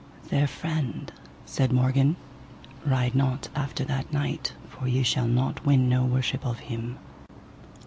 Fair friend, said Morgan, ride not after that knight, for ye shall not win no worship of him.